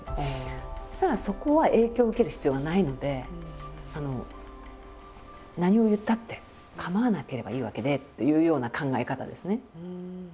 そしたらそこは影響を受ける必要はないので何を言ったって構わなければいいわけでというような考え方ですね。